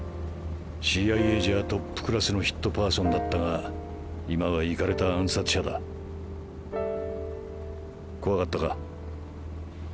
ＣＩＡじゃトップクラスのヒットパーソンだったが今はイカれた暗殺者だ。怖かったか？